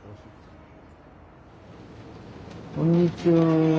こんにちは。